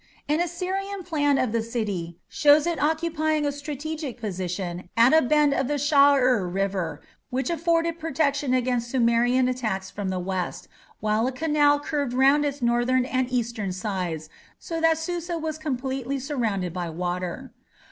An Assyrian plan of the city shows it occupying a strategic position at a bend of the Shawur river, which afforded protection against Sumerian attacks from the west, while a canal curved round its northern and eastern sides, so that Susa was completely surrounded by water.